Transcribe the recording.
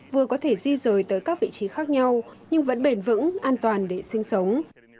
vừa có thể di rời tới các vị trí khác nhau nhưng vẫn bền vững an toàn để sinh sống